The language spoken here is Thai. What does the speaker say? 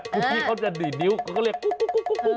พี่เขาจะดีดิ้วก็เรียกกุ๊บ